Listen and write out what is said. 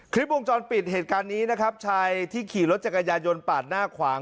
คลิปวงจรปิดเหตุการณ์นี้นะครับชายที่ขี่รถจักรยายนปาดหน้าขวาง